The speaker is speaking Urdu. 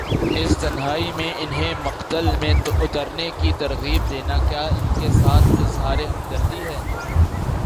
اس تنہائی میں انہیں مقتل میں اترنے کی ترغیب دینا، کیا ان کے ساتھ اظہار ہمدردی ہے؟